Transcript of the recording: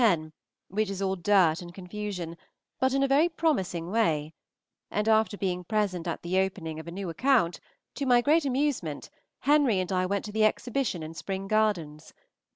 10, which is all dirt and confusion, but in a very promising way; and after being present at the opening of a new account, to my great amusement, Henry and I went to the exhibition in Spring Gardens.